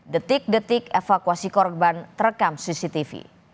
detik detik evakuasi korban terekam cctv